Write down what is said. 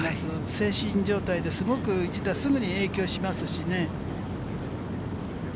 精神状態で、すごく１打にすぐ影響しますしね。